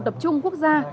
tập trung quốc gia